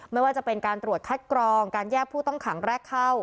ไม่ว่าจะเป็นการตรวจคัดกรองการแยกผู้ต้องขังแรกเข้า